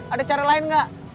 ada cara lain gak